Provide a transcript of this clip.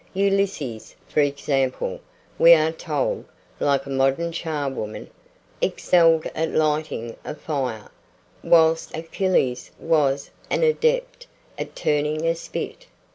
Ulysses, for example, we are told, like a modern charwoman, excelled at lighting a fire, whilst Achilles was an adept at turning a spit.